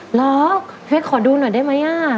เหรอพี่เฮ็กขอดูหน่อยได้ไหมอ่ะ